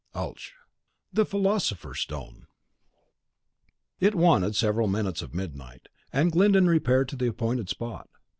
Alch: The Philosopher's Stone. Sandivogius. It wanted several minutes of midnight, and Glyndon repaired to the appointed spot.